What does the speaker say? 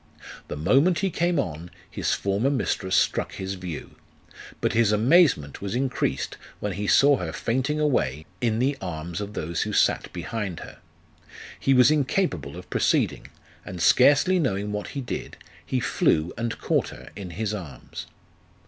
The moment he came on, his former mistress struck his view ; but his amazement was increased when he saw her fainting away in the arms of those who sat behind her. He was incapable of proceeding, and scarcely knowing what he did, he flew and caught her in his arms.